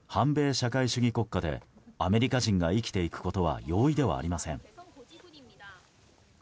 社会主義国家でアメリカ人が生きていくことは容易ではありません。